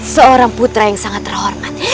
seorang putra yang sangat terhormat